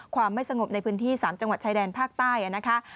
ความไม่สงบในพื้นที่๓จังหวัดชายแดนภาคใต้นะคะ